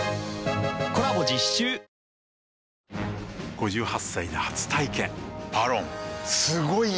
⁉５８歳で初体験「ＶＡＲＯＮ」すごい良い！